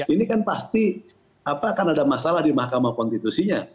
ini kan pasti akan ada masalah di mahkamah konstitusinya